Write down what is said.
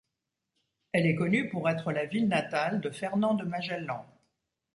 Elle est connue pour être la ville natale de Fernand de Magellan.